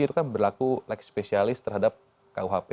itu kan berlaku leg spesialis terhadap kuhp